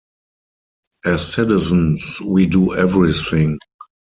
As citizens we do everything.